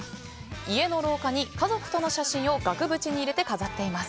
家の廊下に家族との写真を額縁に入れて飾っています。